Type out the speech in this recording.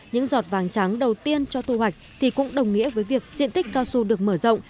những giọt vàng trắng đầu tiên cho thu hoạch thì cũng đồng nghĩa với việc diện tích cao su được mở rộng